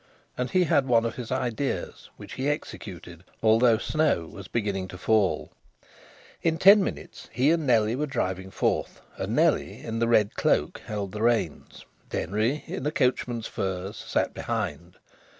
And he had one of his ideas, which he executed, although snow was beginning to fall. In ten minutes he and Nellie were driving forth, and Nellie in the red cloak held the reins. Denry, in a coachman's furs, sat behind.